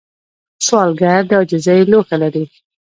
سوالګر د عاجزۍ لوښه لري